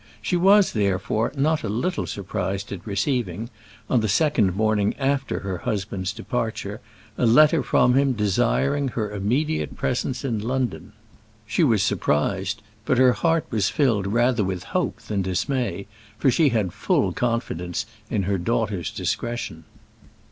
She was, therefore, not a little surprised at receiving, on the second morning after her husband's departure, a letter from him desiring her immediate presence in London. She was surprised; but her heart was filled rather with hope than dismay, for she had full confidence in her daughter's discretion.